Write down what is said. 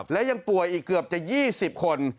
และยังป่วยอีกเกือบจะ๒๐คน